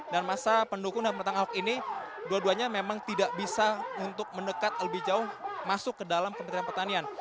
dan masa pendukung dan penentang ahok ini dua duanya memang tidak bisa untuk mendekat lebih jauh masuk ke dalam kementerian pertanian